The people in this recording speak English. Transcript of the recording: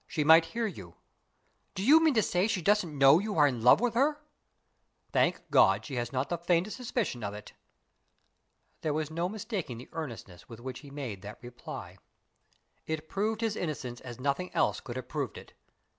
"She might hear you." "Do you mean to say she doesn't know you are in love with her?" "Thank God, she has not the faintest suspicion of it!" There was no mistaking the earnestness with which he made that reply. It proved his innocence as nothing else could have proved it.